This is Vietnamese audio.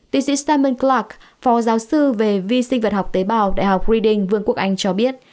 tiến sĩ simon clark phò giáo sư về vi sinh vật học tế bào đại học reading vương quốc anh cho biết